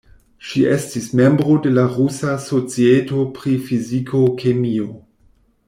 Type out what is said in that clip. Ŝi estis membro de la Rusa Societo pri Fiziko-kemio.